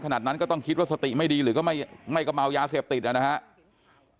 ขนาดนั้นก็ต้องคิดว่าสติไม่ดีหรือก็ไม่ก็เมายาเสพติดนะครับ